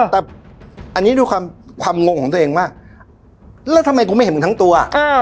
แต่อันนี้ดูความงงของตัวเองว่าแล้วทำไมกูไม่เห็นมึงทั้งตัว